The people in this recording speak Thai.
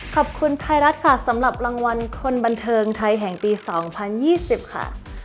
ขอบคุณไทยรัฐค่ะสำหรับรางวัลคนบันเทิงไทยแห่งปี๒๐๒๐ค่ะ